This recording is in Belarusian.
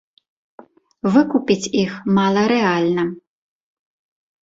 Выкупіць іх мала рэальна.